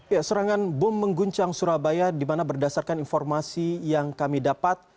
ya serangan bom mengguncang surabaya di mana berdasarkan informasi yang kami dapat